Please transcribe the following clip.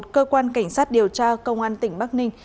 cơ quan cảnh sát điều tra công an tỉnh bắc ninh